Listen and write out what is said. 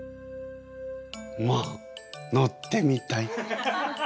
まあ乗ってみたい。